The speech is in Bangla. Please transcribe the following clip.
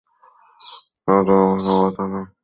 আর যখন তোমরা আঘাত হান, তখন তোমরা আঘাত হেনে থাক কঠোরভাবে।